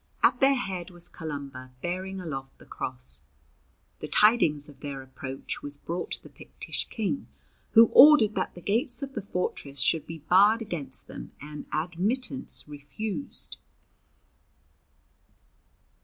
At their head was Columba, bearing aloft the cross. The tidings of their approach was brought to the Pictish King, who ordered that the gates of the fortress should be barred against them and admittance refused.